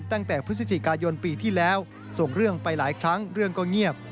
ตั้งแต่พฤศจิกายนปีที่แล้วส่งเรื่องไปหลายครั้งเรื่องก็เงียบ